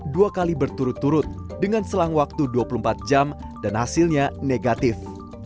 dua kali berturut turut dengan selang waktu dua puluh empat jam dan hasilnya negatif